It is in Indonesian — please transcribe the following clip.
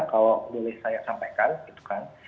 kalau boleh saya sampaikan gitu kan